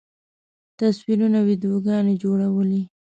تصویرونه، ویډیوګانې جوړولی